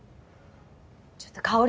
ちょっと薫！